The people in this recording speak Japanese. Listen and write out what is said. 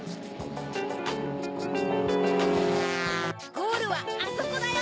ゴールはあそこだよ！